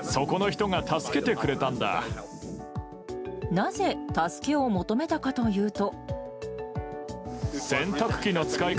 なぜ助けを求めたかというと。